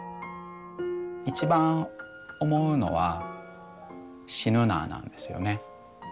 一番思うのは死ぬななんですよね。